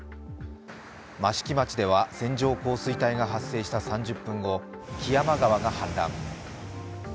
益城町では線状降水帯が発生した３０分後、木山川が氾濫。